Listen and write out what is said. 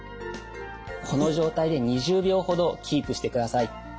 この状態で２０秒ほどキープしてください。